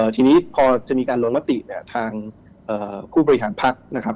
ทีนี้พอจะมีการลงมติเนี่ยทางผู้บริหารพักนะครับ